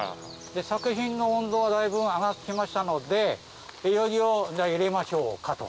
作品の温度はだいぶ上がって来ましたのでいよいよ入れましょうかと。